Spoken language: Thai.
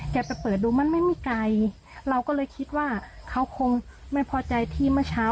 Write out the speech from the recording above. ไปเปิดดูมันไม่มีไกลเราก็เลยคิดว่าเขาคงไม่พอใจที่เมื่อเช้า